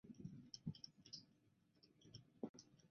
不过相同发动机用在两架飞机也不尽相通。